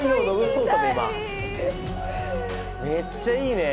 めっちゃいいね。